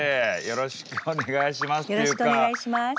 よろしくお願いします。